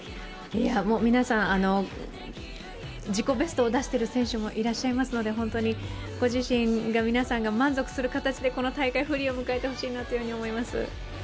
皆さん、自己ベストを出している方もいらっしゃいますので本当にご自身が、皆さんが満足する形でこの大会フリーを迎えてほしいなと思います。